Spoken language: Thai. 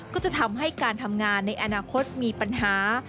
ก็จะทำให้การทำงานในอนาคตมีปัญหา